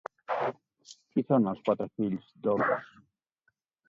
Qui són els quatre fills d'Horus?